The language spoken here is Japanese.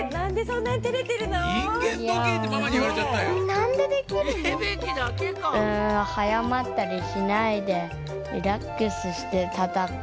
うんはやまったりしないでリラックスしてたたく。